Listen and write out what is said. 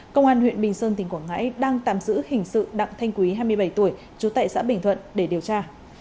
công an huyện bình sơn tỉnh quảng ngãi đang tạm giữ hình sự đặng thanh quý hai mươi bảy tuổi trú tại xã bình thuận để điều tra